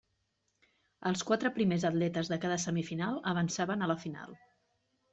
Els quatre primers atletes de cada semifinal avançaven a la final.